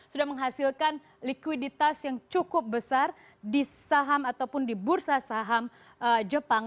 sudah menghasilkan likuiditas yang cukup besar di saham ataupun di bursa saham jepang